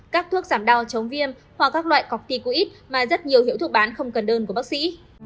các thuốc giảm đau chống viêm hoặc các loại cọc tì cụ ít mà rất nhiều hiệu thuộc bán không cần đơn của bác sĩ